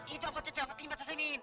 itu apa cak fetima cak semin